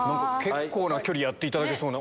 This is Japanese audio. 結構な距離やっていただけそう。